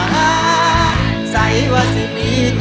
ไม่ร้อง